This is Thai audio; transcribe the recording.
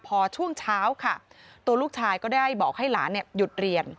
พอช่วงเช้าค่ะตัวลูกชายก็ได้บอกให้หลานหยุดเรียน